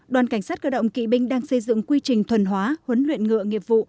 đoàn cảnh sát cơ động kỵ binh đang xây dựng quy trình thuần hóa huấn luyện ngựa nghiệp vụ